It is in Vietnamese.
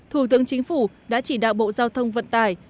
thủ tướng chính phủ đã chỉ đạo bộ giao thông vận tải